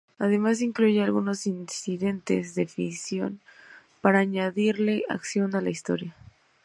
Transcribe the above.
Además incluye algunos incidentes de ficción para añadirle acción a la historia.